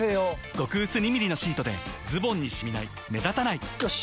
極薄２ｍｍのシートでズボンにしみない目立たないよし！